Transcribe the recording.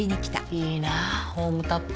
いいなホームタップ。